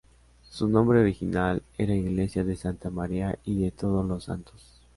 Su nombre original era Iglesia de Santa María y de Todos los Santos.